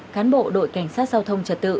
cán bộ đội cảnh sát giao thông trật tự